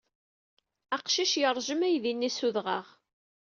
Aqcic yeṛjem aydi-nni s udɣaɣ.